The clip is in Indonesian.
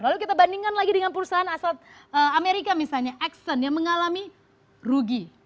lalu kita bandingkan lagi dengan perusahaan asal amerika misalnya exson yang mengalami rugi